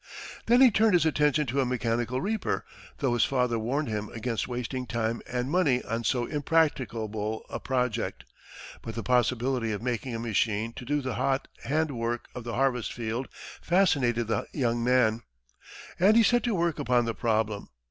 Then he turned his attention to a mechanical reaper, though his father warned him against wasting time and money on so impracticable a project. But the possibility of making a machine do the hot hand work of the harvest field fascinated the young man, and he set to work upon the problem.